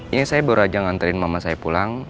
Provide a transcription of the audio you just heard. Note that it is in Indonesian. ini saya baru aja nganterin mama saya pulang